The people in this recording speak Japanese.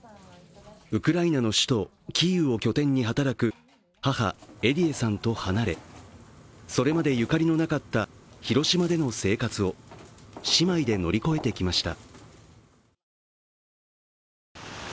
ウクライナの首都キーウを拠点に働く母・エディエさんと離れ、それまでゆかりのなかった広島での生活を姉妹で乗り越えてきました。